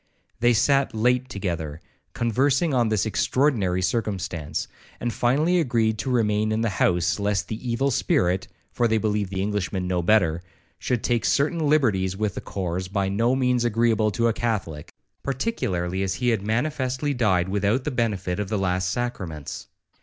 They sat late together, conversing on this extraordinary circumstance, and finally agreed to remain in the house, lest the evil spirit (for they believed the Englishman no better) should take certain liberties with the corse by no means agreeable to a Catholic, particularly as he had manifestly died without the benefit of the last sacraments.